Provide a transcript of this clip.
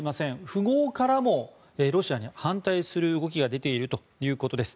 富豪からもロシアに反対する動きが出ているということです。